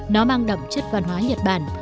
nó mang đậm chất văn hóa nhật bản